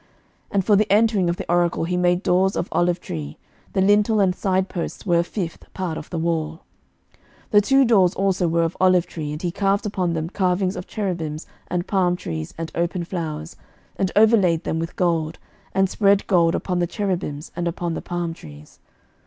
11:006:031 And for the entering of the oracle he made doors of olive tree: the lintel and side posts were a fifth part of the wall. 11:006:032 The two doors also were of olive tree; and he carved upon them carvings of cherubims and palm trees and open flowers, and overlaid them with gold, and spread gold upon the cherubims, and upon the palm trees.